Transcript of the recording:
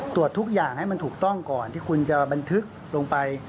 ทุกอย่างให้มันถูกต้องก่อนที่คุณจะบันทึกลงไป